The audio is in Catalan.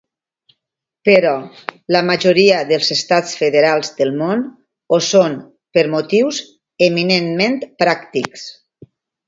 Però la majoria dels estats federals del món ho són per motius eminentment pràctics.